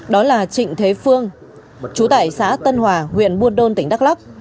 đó là trịnh thế phương chú tải xã tân hòa huyện buôn đôn tỉnh đắk lắk